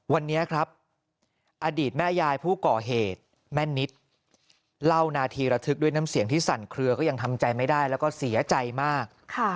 วันนี้ครับอดีตแม่ยายผู้ก่อเหตุแม่นิดเล่านาทีระทึกด้วยน้ำเสียงที่สั่นเคลือก็ยังทำใจไม่ได้แล้วก็เสียใจมาก